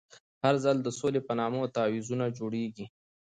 هر ځل د سولې په نامه تعویضونه جوړېږي.